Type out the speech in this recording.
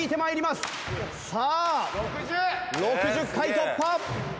さあ６０回突破！